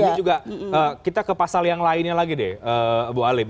ini juga kita ke pasal yang lainnya lagi deh bu alim